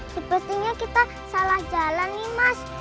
sepertinya kita salah jalan nimas